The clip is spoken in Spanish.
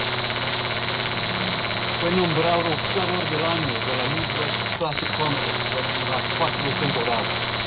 Fue nombrado "jugador del año de la Midwest Classic Conference" las cuatro temporadas.